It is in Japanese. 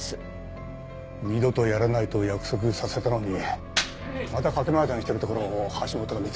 二度とやらないと約束させたのにまた賭け麻雀してるところを橋本が見つけて。